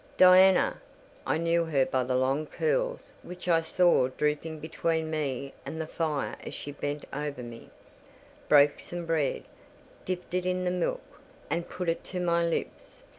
Diana (I knew her by the long curls which I saw drooping between me and the fire as she bent over me) broke some bread, dipped it in milk, and put it to my lips.